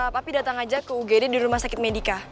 papi datang aja ke ugd di rumah sakit medika